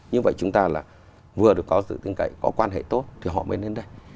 như vậy chúng ta là vừa được có sự tin cậy có quan hệ tốt thì họ mới đến đây